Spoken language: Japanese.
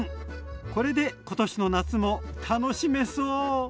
これで今年の夏も楽しめそう。